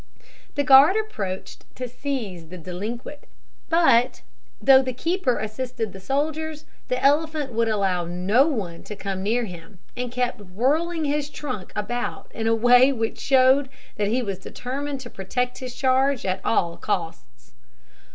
The guard approached to seize the delinquent, but, though the keeper assisted the soldiers, the elephant would allow no one to come near him, and kept whirling his trunk about in a way which showed that he was determined to protect his charge at all costs.